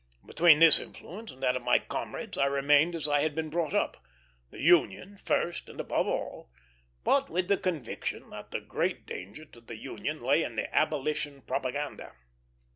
Between this influence and that of my comrades I remained as I had been brought up the Union first and above all, but with the conviction that the great danger to the Union lay in the abolition propaganda.